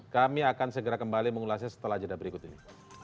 kami akan segera kembali mengulasnya setelah jeda berikut ini